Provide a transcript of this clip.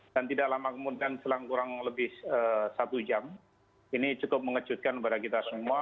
dan tidak lama kemudian selang kurang lebih satu jam ini cukup mengejutkan kepada kita semua